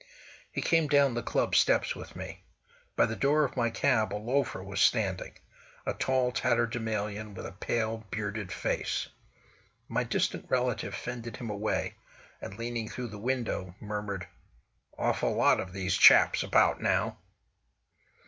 He came down the Club steps with me. By the door of my cab a loafer was standing; a tall tatterdemalion with a pale, bearded face. My distant relative fended him away, and leaning through the window, murmured: "Awful lot of these chaps about now!"